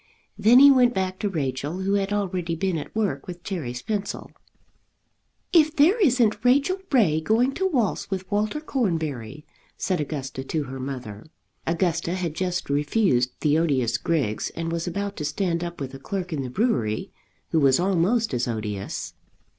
Then he went back to Rachel, who had already been at work with Cherry's pencil. "If there isn't Rachel Ray going to waltz with Walter Cornbury," said Augusta to her mother. Augusta had just refused the odious Griggs, and was about to stand up with a clerk in the brewery, who was almost as odious.